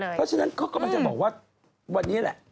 เพราะฉะนั้นเขากำลังจะบอกว่าวันนี้แหละ